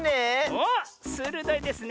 おっするどいですね。